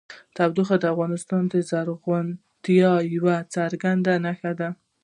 تودوخه د افغانستان د زرغونتیا یوه څرګنده نښه ده.